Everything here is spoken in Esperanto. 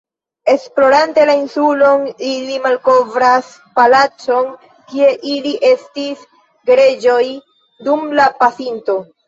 Esplorante la insulon, ili malkovras palacon, kie ili estis gereĝoj dum la pasinto.